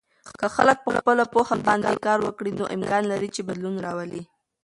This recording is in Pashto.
که خلک په خپلو پوهه باندې کار وکړي، نو امکان لري چې بدلون راولي.